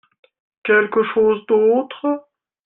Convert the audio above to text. Quelque chose d'autre ?